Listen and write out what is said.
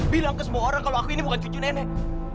bilang ke semua orang kalau aku ini bukan cucu nenek